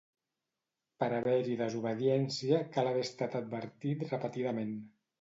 Per haver-hi desobediència, cal haver estat advertit repetidament.